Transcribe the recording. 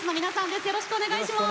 よろしくお願いします。